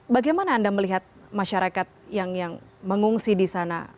bagaimana anda melihat masyarakat yang mengungsi di sana